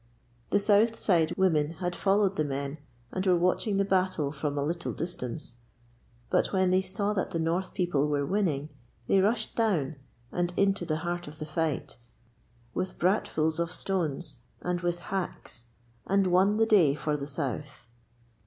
The south side women had followed the men and were watching the battle from a little distance, but when they saw that the north people were winning they rushed down, and into the heart of the fight, with bratfuls of stones and with hacks, and won the day for the south.